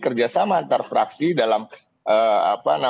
kerjasama antar fraksi dalam apa namanya